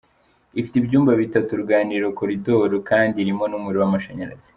Ifite ibyumba bitatu, uruganiriro, korodori kandi irimo n’umuriro w’amashanyarazi.